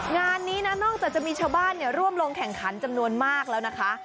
งานนี้นะนอกจากจะมีชาวบ้านร่วมลงแข่งขันจำนวนมากแล้วนะคะ